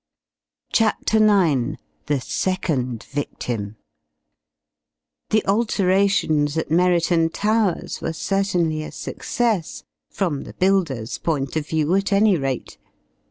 CHAPTER IX THE SECOND VICTIM The alterations at Merriton Towers were certainly a success, from the builder's point of view at any rate.